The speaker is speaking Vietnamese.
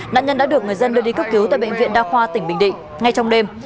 nạn nhân đã được người dân đưa đi cấp cứu tại bệnh viện đa khoa tỉnh bình định ngay trong đêm